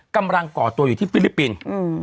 ก่อตัวอยู่ที่ฟิลิปปินส์